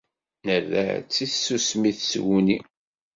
Nerra-tt i tsusmi d tguni.